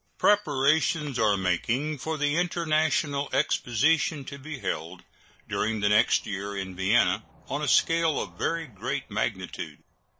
Preparations are making for the international exposition to be held during the next year in Vienna, on a scale of very great magnitude.